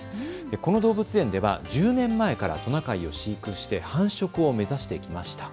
この動物園では１０年前からトナカイを飼育して繁殖を目指してきました。